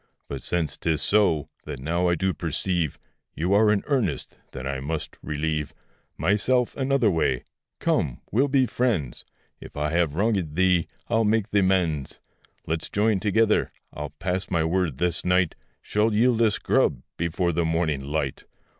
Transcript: But since 'tis so, that now I do perceive You are in earnest, then I must relieve Myself another way: come, we'll be friends; If I have wrongèd thee, I'll make th' amends. Let's join together; I'll pass my word this night Shall yield us grub, before the morning light.